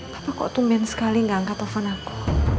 papa kok tumben sekali gak angkat telepon aku